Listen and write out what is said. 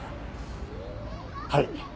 はい。